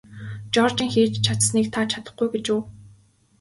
Жоржийн хийж чадсаныг та чадахгүй гэж үү?